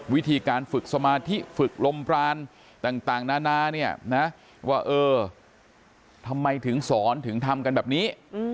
วิธีการฝึกสมาธิฝึกลมพรานต่างนานาเนี่ยนะว่าเออทำไมถึงสอนถึงทำกันแบบนี้